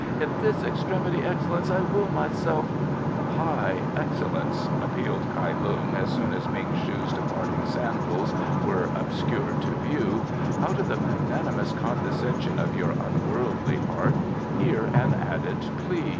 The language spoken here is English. "In this extremity, Excellence, I will myself " "High Excellence," appealed Kai Lung, as soon as Ming shu's departing sandals were obscured to view, "out of the magnanimous condescension of your unworldly heart hear an added plea.